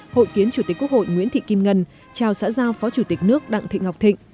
hội kiến chủ tịch quốc hội nguyễn thị kim ngân chào xã giao phó chủ tịch nước đặng thị ngọc thịnh